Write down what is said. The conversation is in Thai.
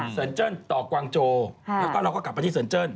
เซินเจิ้นต่อกวางโจแล้วก็เราก็กลับไปที่เซินเจิ้น